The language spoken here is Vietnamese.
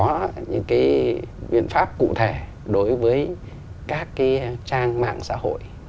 vấn đề thứ năm chúng tôi nghĩ đó là phải có những biện pháp cụ thể đối với các trang mạng xã hội